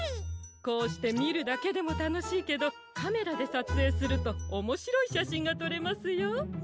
こうしてみるだけでもたのしいけどカメラでさつえいするとおもしろいしゃしんがとれますよ。